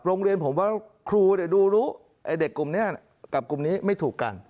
โรงเรียนผมว่าครูดูรู้เด็กกลุ่มนี้กับกลุ่มนี้ไม่ถูกกัน